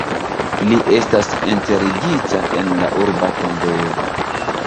Li estas enterigita en la urba tombejo.